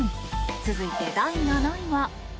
続いて、第７位は。